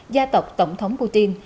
gia tộc tổng thống putin